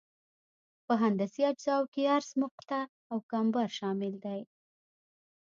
په هندسي اجزاوو کې عرضي مقطع او کمبر شامل دي